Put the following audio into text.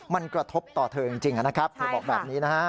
มันกระทบต่อเธอจริงนะครับเธอบอกแบบนี้นะฮะ